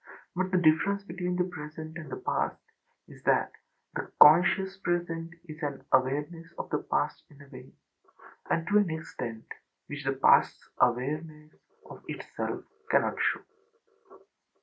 But the difference between the present and the past is that the conscious present is an awareness of the past in a way and to an extent which the pastâs awareness of itself cannot show.